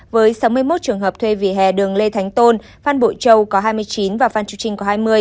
với sáu mươi một trường hợp thuê vỉa hè đường lê thánh tôn phan bội châu có hai mươi chín và phan chu trinh có hai mươi